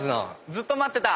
・ずっと待ってた。